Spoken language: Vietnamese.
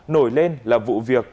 nổi lên là vụ việc